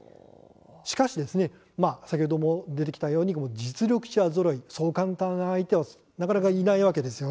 しかし先ほども出てきたように実力者ぞろい、そう簡単な相手はなかなかいないわけです。